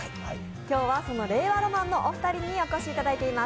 今日は令和ロマンのお二人にお越しいただいています。